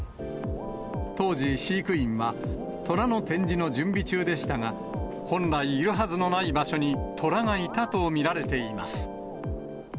当時、飼育員は、トラの展示の準備中でしたが、本来いるはずのない場所に、トラがいたと見られています。